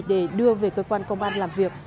để đưa về cơ quan công an làm việc